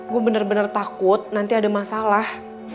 gue bener bener takut nanti ada masalah